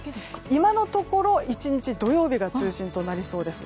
今のところ１日土曜日が中心となりそうです。